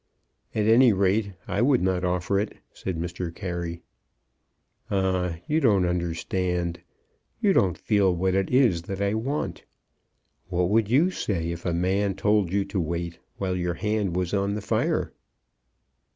"At any rate I would not offer it," said Mr. Carey. "Ah; you don't understand. You don't feel what it is that I want. What would you say if a man told you to wait while your hand was in the fire?"